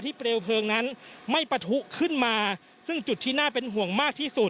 เปลวเพลิงนั้นไม่ปะทุขึ้นมาซึ่งจุดที่น่าเป็นห่วงมากที่สุด